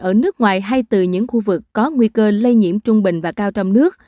ở nước ngoài hay từ những khu vực có nguy cơ lây nhiễm trung bình và cao trong nước